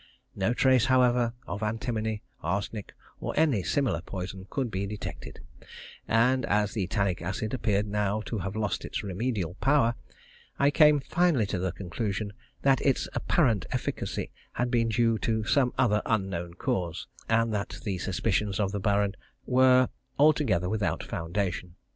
No trace, however, of antimony, arsenic, or any similar poison, could be detected, and as the tannic acid appeared now to have lost its remedial power, I came finally to the conclusion that its apparent efficacy had been due to some other unknown cause, and that the suspicions of the Baron were altogether without foundation.